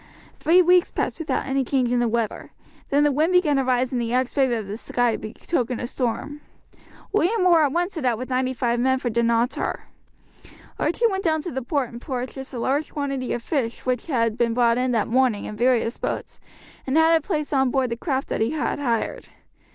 Three weeks passed without any change in the weather; then the wind began to rise and the aspect of the sky betokened a storm. William Orr at once set out with ninety five men for Dunottar. Archie went down to the port and purchased a large quantity of fish which had been brought in that morning in various boats, and had it placed on board the craft that he had hired.